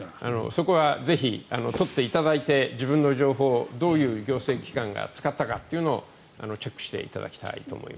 そこはぜひ取っていただいて自分の情報をどういう行政機関が使ったかというのをチェックしていただきたいと思います。